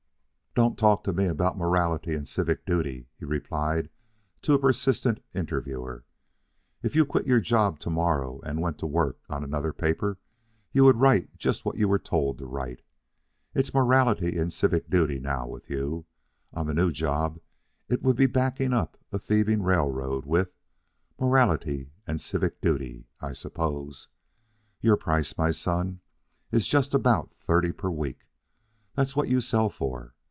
"Don't talk to me about morality and civic duty," he replied to a persistent interviewer. "If you quit your job tomorrow and went to work on another paper, you would write just what you were told to write. It's morality and civic duty now with you; on the new job it would be backing up a thieving railroad with... morality and civic duty, I suppose. Your price, my son, is just about thirty per week. That's what you sell for.